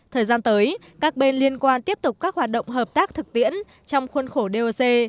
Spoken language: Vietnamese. thời gian tới các bên liên quan tiếp tục các hoạt động hợp tác thực tiễn trong khuôn khổ doc